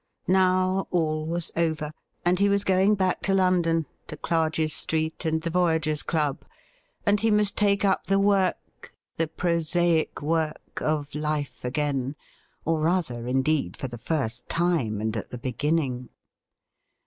Now all was over, and he was going back to London, to Clarges Street and the Voyagers' Club, and he must take' THE SWEET SORROW OP PARTING 115 up the work — the prosaic work — of life again, or rather, indeed, for the first time and at the beginning.